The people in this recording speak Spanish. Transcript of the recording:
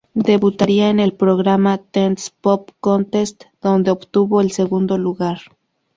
Debutaría en el programa; ""Teens Pop Contest"", donde obtuvo el segundo lugar.